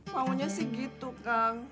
maunya sih gitu kang